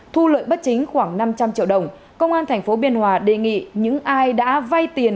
thu lợi bất chính khoảng năm trăm linh triệu đồng công an tp biên hòa đề nghị những ai đã vay tiền